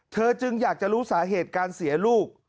จึงอยากจะรู้สาเหตุการเสียลูก